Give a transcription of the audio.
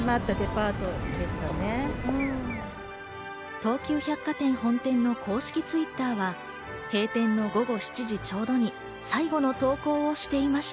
東急百貨店本店の公式Ｔｗｉｔｔｅｒは、閉店の午後７時ちょうどに最後の投稿をしていました。